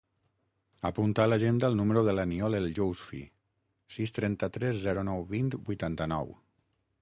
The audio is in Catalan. Apunta a l'agenda el número de l'Aniol El Yousfi: sis, trenta-tres, zero, nou, vint, vuitanta-nou.